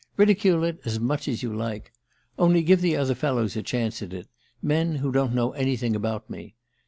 Ridicule it as much as you like. Only give the other fellows a chance at it men who don't know anything about me.